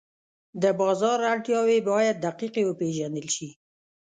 د بازار اړتیاوې باید دقیقې وپېژندل شي.